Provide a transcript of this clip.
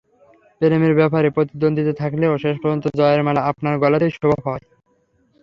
প্রেমের ব্যাপারে প্রতিদ্বন্দ্বিতা থাকলেও শেষ পর্যন্ত জয়ের মালা আপনার গলাতেই শোভা পাবে।